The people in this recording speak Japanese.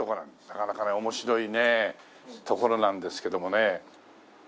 なかなかね面白いね所なんですけどもね。